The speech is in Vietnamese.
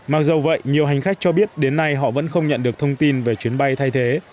mặc dù vậy nhiều hành khách cho biết đến nay họ vẫn không nhận được thông tin về chuyến bay thay thế